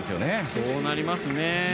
そうなりますね。